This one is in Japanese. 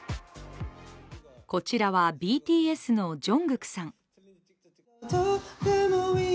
こちらはＢＴＳのＪＵＮＧＫＯＯＫさん。